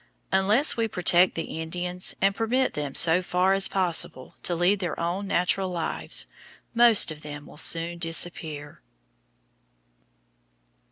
Unless we protect the Indians and permit them so far as possible to lead their own natural lives, most of them will soon disappear.